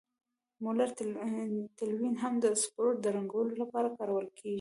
مولر تلوین هم د سپور د رنګولو لپاره کارول کیږي.